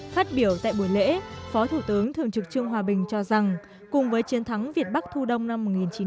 phát biểu tại buổi lễ phó thủ tướng thường trực trương hòa bình cho rằng cùng với chiến thắng việt bắc thu đông năm một nghìn chín trăm bảy mươi